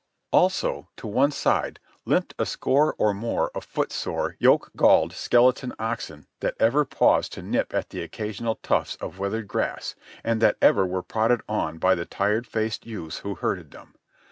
Also, to one side, limped a score or more of foot sore, yoke galled, skeleton oxen, that ever paused to nip at the occasional tufts of withered grass, and that ever were prodded on by the tired faced youths who herded them.